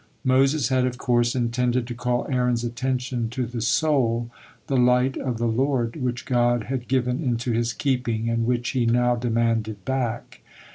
Moses had, of course, intended to call Aaron's attention to the soul, "the light of the Lord," which God had given into his keeping and which He now demanded back.